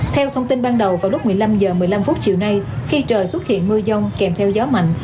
theo thông tin ban đầu vào lúc một mươi năm h một mươi năm chiều nay khi trời xuất hiện mưa dông kèm theo gió mạnh